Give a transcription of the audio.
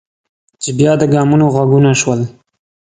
چې بیا د ګامونو غږونه شول.